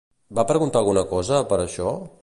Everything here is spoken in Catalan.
Va preguntar alguna cosa, per això?